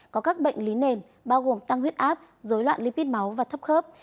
có các bệnh lý nền bao gồm tăng huyết áp dối loạn lipid máu và thấp khớp